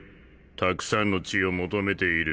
たくさんの血を求めている。